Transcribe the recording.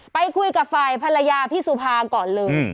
ไปคุยกับฝ่ายภรรยาพี่สุภาก่อนเลย